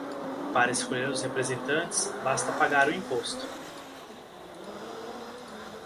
Para escolher os representantes, basta pagar um imposto.